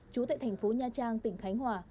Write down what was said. chú tại thành phố nha trang tỉnh khánh hòa